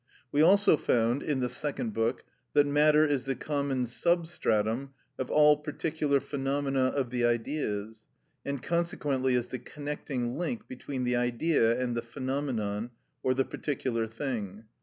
We also found, in the second book, that matter is the common substratum of all particular phenomena of the Ideas, and consequently is the connecting link between the Idea and the phenomenon, or the particular thing.